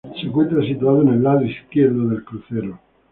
Se encuentra situado en el lado izquierdo del crucero.